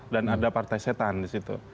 dan ada partai setan di situ